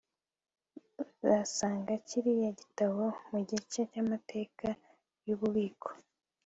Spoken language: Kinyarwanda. uzasanga kiriya gitabo mugice cyamateka yububiko